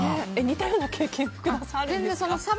似たような経験福田さん、あるんですか？